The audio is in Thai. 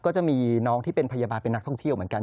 ก็จะมีน้องที่เป็นพยาบาลเป็นนักท่องเที่ยวเหมือนกัน